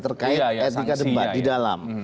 terkait etika debat di dalam